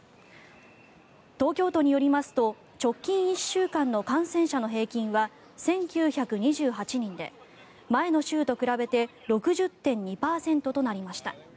東京都によりますと直近１週間の感染者の平均は１９２８人で前の週と比べて６０．２％となりました。